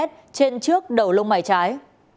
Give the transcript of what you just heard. trên trước đầu lông mày trái